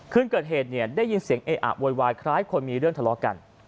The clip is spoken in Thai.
คืนเกิดเหตุเนี่ยได้ยินเสียงเออะโวยวายคล้ายคนมีเรื่องทะเลาะกัน